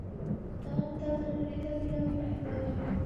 دغه کتاب د نړۍ د بېلا بېلو هېوادونو